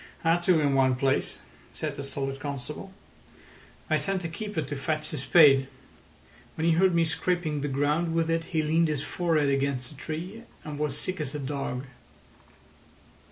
"Had to in one place," said the stolid constable. "I sent a keeper to fetch a spade. When he heard me scraping the ground with it he leaned his forehead against a tree, and was as sick as a dog."